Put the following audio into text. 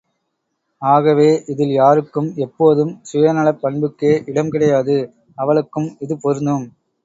ஆகவே, இதில் யாருக்கும் எப்போதும் சுயநலப் பண்புக்கே இடம் கிடையாது அவளுக்கும் இது பொருந்தும்!